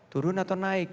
turun atau naik